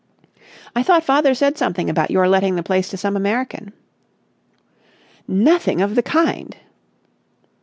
"I thought father said something about your letting the place to some American." "Nothing of the kind!"